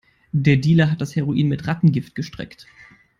Der Dealer hat das Heroin mit Rattengift gestreckt.